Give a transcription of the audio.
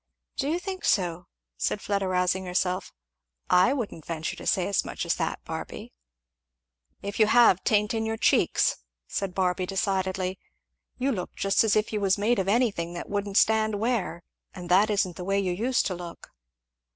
"Do you think so?" said Fleda rousing herself. "I wouldn't venture to say as much as that, Barby." "If you have, 'tain't in your cheeks," said Barby decidedly. "You look just as if you was made of anything that wouldn't stand wear, and that isn't the way you used to look."